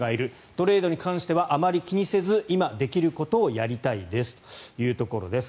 トレードに関してはあまり気にせず今、できることをやりたいですというところです。